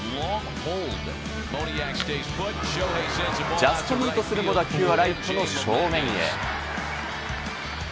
ジャストミートするも打球はライトの正面へ。